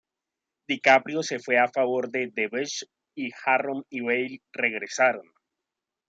DiCaprio se fue a favor de "The Beach" y Harron y Bale regresaron.